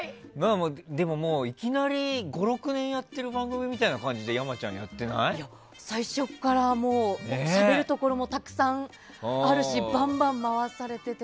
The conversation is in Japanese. でも、いきなり５６年やってる番組みたいな感じで最初からしゃべるところもたくさんあるしバンバン回されていて。